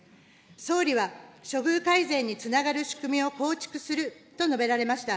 総理は処遇改善につながる仕組みを構築すると述べられました。